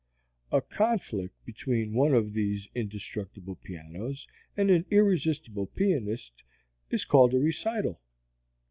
A conflict between one of these indestructible pianos and an irresistible pianist is called a recital.